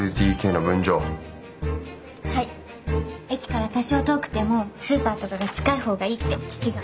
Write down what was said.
駅から多少遠くてもスーパーとかが近い方がいいって父が。